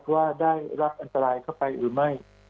ว่าได้รับอันตรายเข้าไปหรือไม่